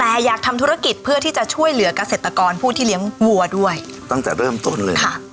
แต่อยากทำธุรกิจเพื่อที่จะช่วยเหลือกเกษตรกรผู้ที่เลี้ยงวัวด้วยตั้งแต่เริ่มต้นเลยค่ะ